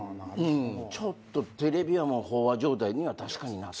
ちょっとテレビはもう飽和状態には確かに。